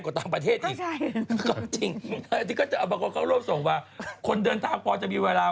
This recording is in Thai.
ของผมคุณถือก็ได้หนอะหนที่เขาเขียนอาห์หนแบบว่าก่อนแล้วทุกคนเลี้ยงห๋า